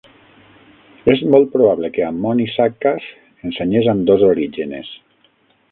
És molt probable que Ammoni Saccas ensenyés ambdós Orígenes.